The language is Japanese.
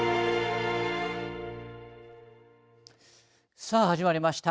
さあ、始まりました。